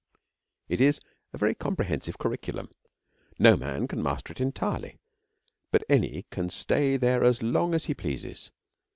It is a very comprehensive curriculum. No man can master it entirely, but any can stay there as long as he pleases.